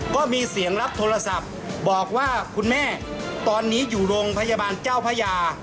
ก็มีเสียงรับโทรศัพท์บอกว่าคุณแม่ตอนนี้อยู่โรงพยาบาลเจ้าพระยา